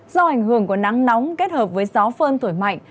do ảnh hưởng của nắng nóng kết hợp với gió phơn thổi mạnh